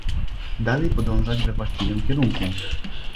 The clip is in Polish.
"dalej podążać we właściwym kierunku"